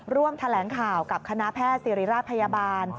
ร่วมแถลงข่าวกับคณะแพทย์ศิริราชพยาบาล